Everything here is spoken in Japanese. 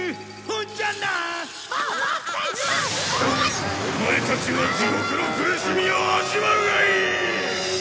オマエたちは地獄の苦しみを味わうがいい！